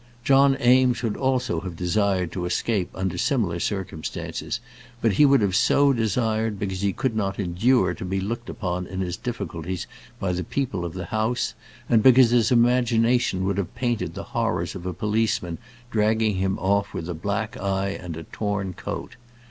John Eames would also have desired to escape under similar circumstances; but he would have so desired because he could not endure to be looked upon in his difficulties by the people of the house, and because his imagination would have painted the horrors of a policeman dragging him off with a black eye and a torn coat.